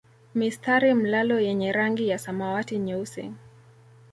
Mistari mlalo yenye rangi ya samawati nyeusi